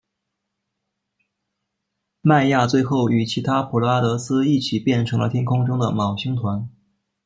迈亚最后与其他普勒阿得斯一起变成了天空中的昴星团。